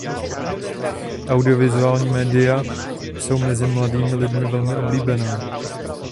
Audiovizuální média jsou mezi mladými lidmi velmi oblíbená.